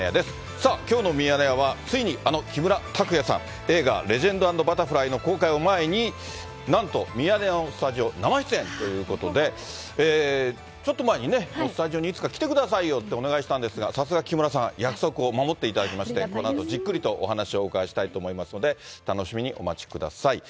さあ、きょうのミヤネ屋は、ついにあの木村拓哉さん、映画、レジェンド＆バタフライの公開を前に、なんとミヤネ屋のスタジオ生出演ということで、ちょっと前にね、スタジオにいつか来てくださいよってお願いしたんですが、さすが木村さん、約束を守っていただきまして、このあと、じっくりとお話をお伺いしたいと思いますので、楽しみにお待ちください。